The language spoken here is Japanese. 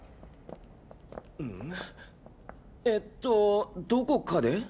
えっとどこかで？